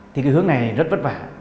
thì cái hướng này rất vất vả